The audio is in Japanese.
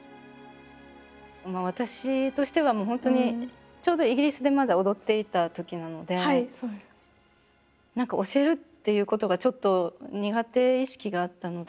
私としてはもう本当にちょうどイギリスでまだ踊っていたときなので何か教えるっていうことがちょっと苦手意識があったので。